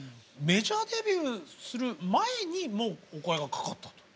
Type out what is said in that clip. メジャーデビューする前にもうお声がかかったと。